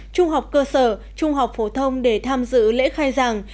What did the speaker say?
trung học cơ sở trung học phổ thông để tham dự lễ khai giảng